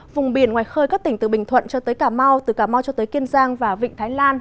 vùng biển ngoài khơi các tỉnh từ bình thuận cho tới cà mau từ cà mau cho tới kiên giang và vịnh thái lan